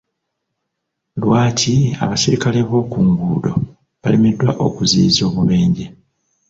Lwaki abaserikale b'oku nguudo balemeddwa okuziyiza obubenje?